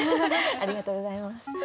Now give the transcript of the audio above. ありがとうございます。